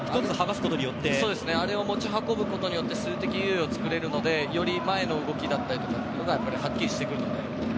あれを持ち運ぶことによって数的有利が作れるのでより前の動きだったりがはっきりしてくるので。